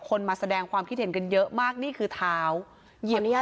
คนมาแสดงความคิดเห็นกันเยอะมากนี่คือเท้าหยิบพอเด็ก